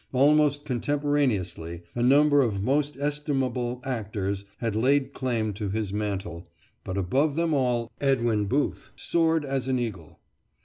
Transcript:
Almost contemporaneously a number of most estimable actors have laid claim to his mantle; but above them all Edwin Booth soared as an eagle.